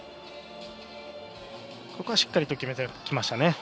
ここはしっかりと決めてきました。